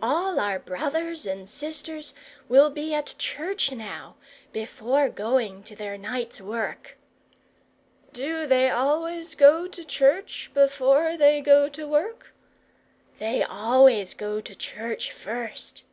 All our brothers and sisters will be at church now, before going to their night's work." "Do they always go to church before they go to work?" "They always go to church first."